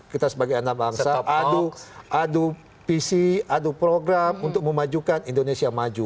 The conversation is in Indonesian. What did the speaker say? kita sebagai anak bangsa adu adu visi adu program untuk memajukan indonesia maju